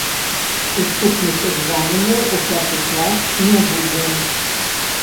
Уступных экзаменаў у пяты клас не будзе.